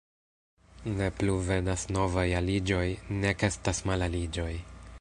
Ne plu venas novaj aliĝoj, nek estas malaliĝoj.